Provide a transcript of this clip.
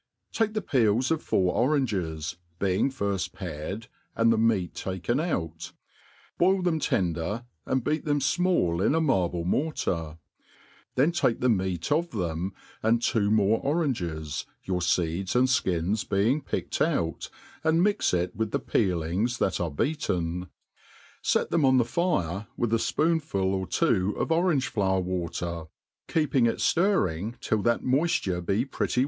TAKE the peels of four oranges, being firft pared, and the ipeat taken out, boil them tender, and beat them fmall in ^ marble mortar; then take the meat of them, and two more oranges, your feeds and ikins being picked out, and mix it with the peelings that are beaten i fet them on the fire, with a fpoonfut \^ APPfiKDIX: TO THE ART OF COOKERY. 3^^. fpdoitful or two of orangcfloi^r wate^r, keeping it ftirfin<» till that moifture be pretty.